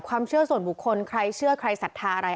ความเชื่อส่วนบุคคลใครเชื่อใครศรัทธาอะไร